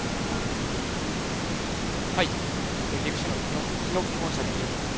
岐阜市の日野基本射撃場です。